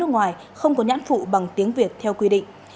nước ngoài không có nhãn phụ bằng tiếng việt theo quy định